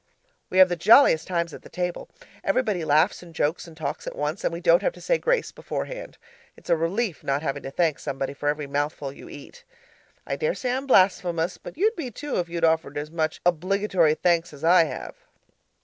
We have the jolliest times at the table everybody laughs and jokes and talks at once, and we don't have to say grace beforehand. It's a relief not having to thank Somebody for every mouthful you eat. (I dare say I'm blasphemous; but you'd be, too, if you'd offered as much obligatory thanks as I have.)